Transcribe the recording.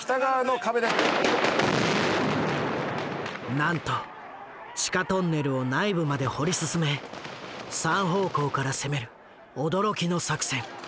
なんと地下トンネルを内部まで掘り進め三方向から攻める驚きの作戦。